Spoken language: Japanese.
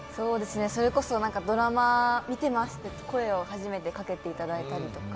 それこそドラマ見てますっていう声を初めてかけてもらったりとか。